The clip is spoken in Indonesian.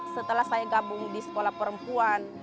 setelah saya gabung di sekolah perempuan